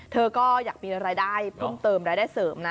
เธอก็อยากมีรายได้เพิ่มเติมรายได้เสริมนะ